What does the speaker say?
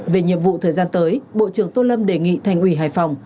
về nhiệm vụ thời gian tới bộ trưởng tô lâm đề nghị thành ủy hải phòng